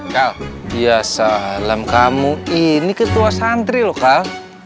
kal ya salam kamu ini ketua santri loh kal